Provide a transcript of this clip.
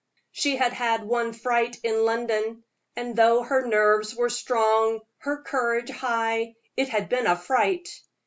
She had had one fright in London; and though her nerves were strong, her courage high, it had been a fright.